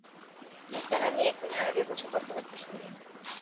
নিসার আলি এক দিন আড়ালে বসে কথাবার্তা শুনলেন।